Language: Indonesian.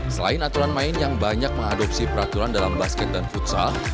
selain aturan main yang banyak mengadopsi peraturan dalam basket dan futsal